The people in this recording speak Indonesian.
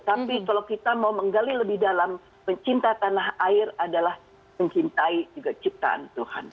tapi kalau kita mau menggali lebih dalam pencinta tanah air adalah mencintai juga ciptaan tuhan